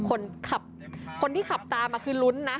โอ้โหคนที่ขับตามคือลุ้นนะ